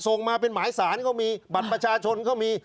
ส่งมาเป็นหมายสารเขามีบัตรประชาชนก็มี